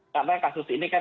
karena kasus ini kan